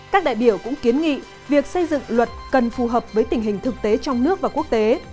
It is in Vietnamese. các đại biểu cũng kiến nghị việc xây dựng luật cần phù hợp với tình hình thực tế trong nước và quốc tế